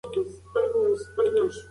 احمد خپل ملګري ته په خپله ژبه لیک ولیکه.